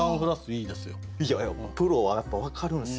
いやプロはやっぱ分かるんすよ。